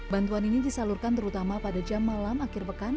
bantuan ini disalurkan terutama pada jam malam akhir pekan